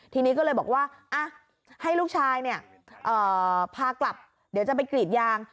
ทีนี้ก็เลยบอกว่าให้ลูกชายพากลับเดี๋ยวจะไปกรีดยาง